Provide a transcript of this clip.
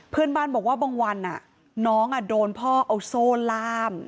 เพื่อนบ้านบอกว่าบางวันน้องโดนพ่อเอาโซ่ล่าม